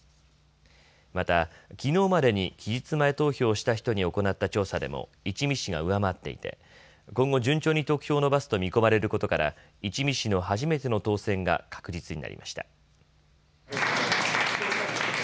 また、きのうまでに期日前投票をした人に行った調査でも一見氏が上回っていて今後、順調に得票を伸ばすと見込まれることから一見氏の初めての当選が確実になりました。